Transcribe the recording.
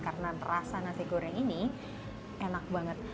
karena rasa nasi goreng ini enak banget